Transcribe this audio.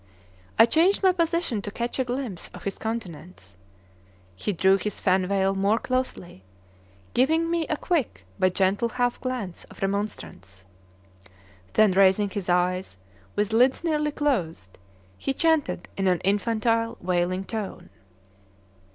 I changed my position to catch a glimpse of his countenance; he drew his fan veil more closely, giving me a quick but gentle half glance of remonstrance. Then raising his eyes, with lids nearly closed, he chanted in an infantile, wailing tone.